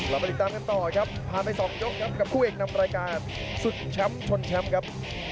เรามาติดตามกันต่อครับผ่านไปสองยกครับกับคู่เอกนำรายการสุดช้ำชนช้ำครับ